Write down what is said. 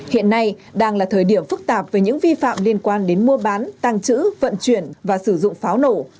hiện nay đang là thời điểm phức tạp về những vi phạm liên quan đến mua bán tăng trữ vận chuyển và sử dụng pháo nổ